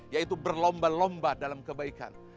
yaitu berlomba lomba dalam kebaikan